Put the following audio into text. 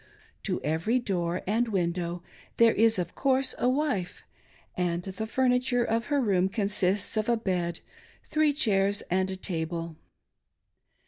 To every door and window there is, of course, a wife ; and the furniture of her room consists of a bed, three chairs, and a table.